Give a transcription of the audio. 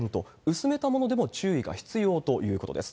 薄めたものでも注意が必要ということです。